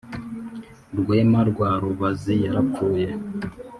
rwema rwa rubazi yarapfuye